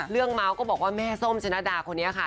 เมาส์ก็บอกว่าแม่ส้มชนะดาคนนี้ค่ะ